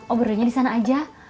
obronya di sana aja